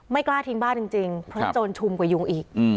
กล้าทิ้งบ้านจริงเพราะโจรชุมกว่ายุงอีก